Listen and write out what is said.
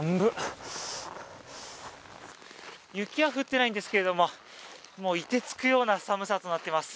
雪は降ってないんですけれども、いてつくような寒さとなっています。